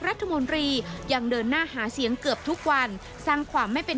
รัฐมนตรียังเดินหน้าหาเสียงเกือบทุกวันสร้างความไม่เป็น